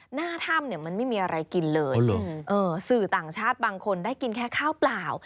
หน้าถ้ำเนี่ยมันไม่มีอะไรกินเลยสื่อต่างชาติบางคนได้กินแค่ข้าวเปล่า